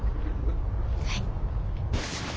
はい。